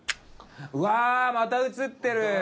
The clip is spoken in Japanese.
うわ！また写ってる。